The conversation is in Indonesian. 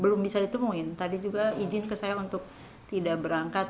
belum bisa ditemuin tadi juga izin ke saya untuk tidak berangkat